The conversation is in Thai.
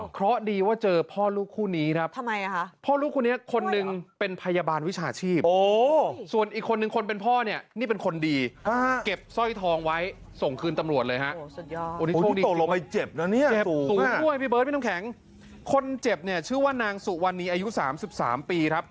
เพราะดีว่าเจอพ่อลูกคู่นี้